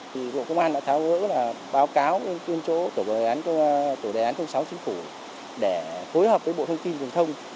thì hội công an đã tháo gỡ báo cáo tuyên chỗ tổ đề án sáu chính phủ để phối hợp với bộ thông tin thông thông